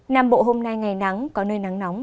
nam bộ hôm nay ngày nắng có nơi nắng nóng